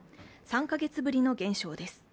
３カ月ぶりの減少です。